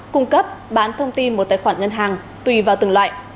cung cấp bán thông tin một tài khoản ngân hàng tùy vào từng loại